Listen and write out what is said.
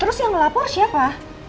terus yang ngelapor siapa